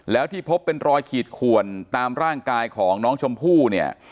แล้วที่พบเป็นรอยขีดขวนตามร่างกายของน้องชมพู่เนี่ย